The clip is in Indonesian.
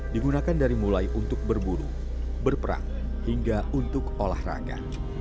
digunakan dari mulai untuk berburu berperang hingga untuk olahraga